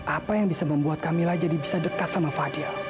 apa yang bisa membuat kamilah jadi bisa dekat sama fadil